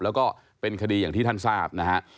แล้วก็เป็นคดีอย่างที่ท่านทราบนะฮะ